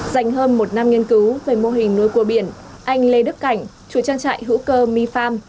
dành hơn một năm nghiên cứu về mô hình nuôi cô biển anh lê đức cảnh chủ trang trại hữu cơ mefarm